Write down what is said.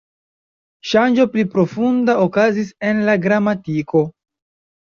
Ŝanĝo pli profunda okazis en la gramatiko.